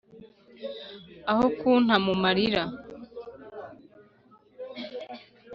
aho kunta mu marira!